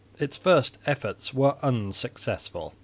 Its first efforts were unsuccessful.